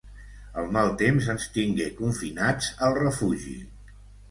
El mal temps ens tingué confinats al refugi.